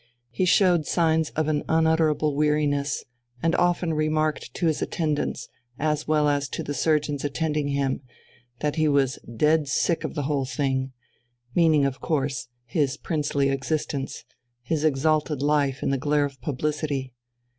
He showed signs of an unutterable weariness, and often remarked to his attendants, as well as to the surgeons attending him, that he was "dead sick of the whole thing" meaning, of course, his princely existence, his exalted life in the glare of publicity.